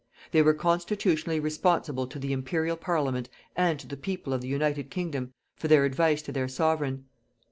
They were constitutionally responsible to the Imperial Parliament and to the people of the United Kingdom for their advice to their Sovereign.